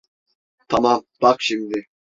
Tamam, bak şimdi.